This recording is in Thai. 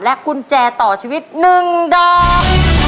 กุญแจต่อชีวิต๑ดอก